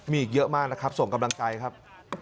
มีอีกเยอะมากนะครับส่งกำลังใจครับ